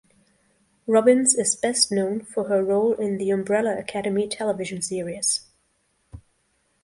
Robbins is best known for her role in "The Umbrella Academy" television series.